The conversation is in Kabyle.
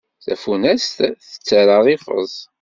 Tafunast tettarra ifeẓ.